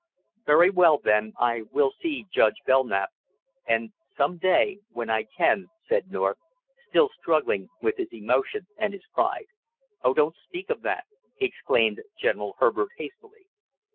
"Very well, then, I will see Judge Belknap, and some day when I can " said North, still struggling with his emotion and his pride. "Oh, don't speak of that!" exclaimed General Herbert hastily.